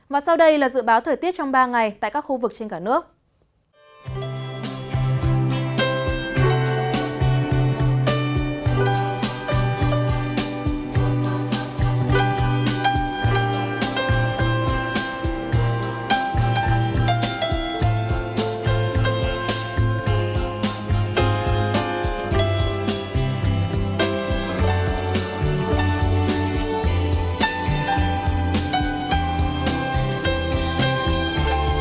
và sau đây là dự báo thời tiết trong ba ngày tại các khu vực trên cả nước